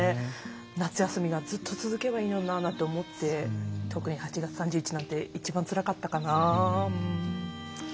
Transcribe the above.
夏休みがずっと続けばいいのになって思って特に８月３１日なんて一番つらかったかな。